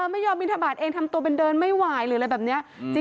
ไม่ยอมบินทบาทเองทำตัวเป็นเดินไม่ไหวหรืออะไรแบบนี้